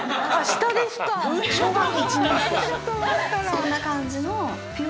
そんな感じの。